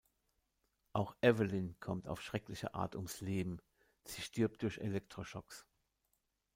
Auch Evelyn kommt auf schreckliche Art ums Leben: Sie stirbt durch Elektroschocks.